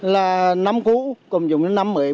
là năm cũ cùng dùng đến năm mới